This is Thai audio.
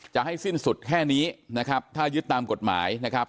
จะให้สิ้นสุดแค่นี้นะครับถ้ายึดตามกฎหมายนะครับ